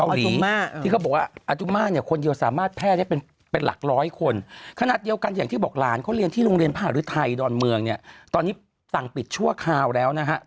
หมายถึงว่าคุณป้าที่เกาหลีที่เขาบอกว่า